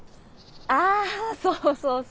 あそうそうそう。